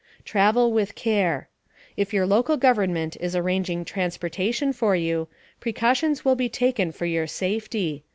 * TRAVEL WITH CARE. If your local government is arranging transportation for you, precautions will be taken for your safety.